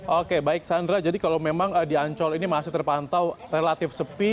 oke baik sandra jadi kalau memang di ancol ini masih terpantau relatif sepi